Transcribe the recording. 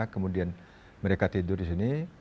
kemudian mereka tidur di sini